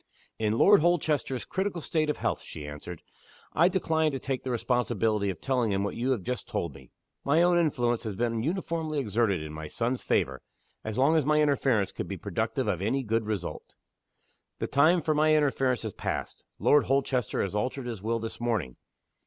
"In Lord Holchester's critical state of health," she answered, "I decline to take the responsibility of telling him what you have just told me. My own influence has been uniformly exerted in my son's favor as long as my interference could be productive of any good result. The time for my interference has passed. Lord Holchester has altered his will this morning.